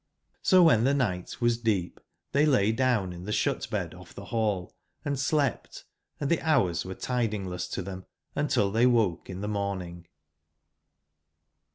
So wben tbc nigbt was cieep tbey lay down in tbe sbut/bed off tbe ball, and slept, & tbe bourswere tidingless to tbem until tbey wo ke in tbe morning.